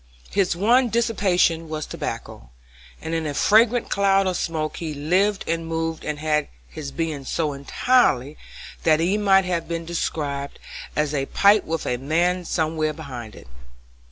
His one dissipation was tobacco, and in a fragrant cloud of smoke he lived and moved and had his being so entirely that he might have been described as a pipe with a man somewhere behind it.